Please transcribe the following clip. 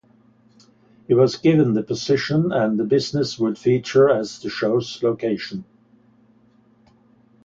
He was given the position and the business would feature as the show's location.